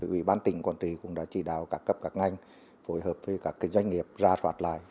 ủy ban tỉnh quảng trị cũng đã chỉ đạo các cấp các ngành phối hợp với các doanh nghiệp ra soát lại